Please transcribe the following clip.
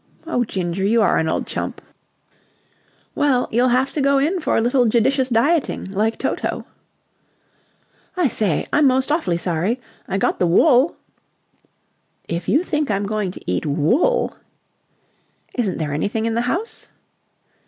"Oh, Ginger, you are an old chump. Well, you'll have to go in for a little judicious dieting, like Toto." "I say, I'm most awfully sorry. I got the wool." "If you think I'm going to eat wool..." "Isn't there anything in the house?"